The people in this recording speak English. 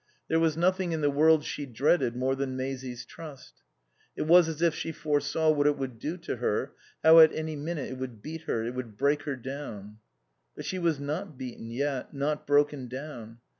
There was nothing in the world she dreaded more than Maisie's trust. It was as if she foresaw what it would do to her, how at any minute it would beat her, it would break her down. But she was not beaten yet, not broken down.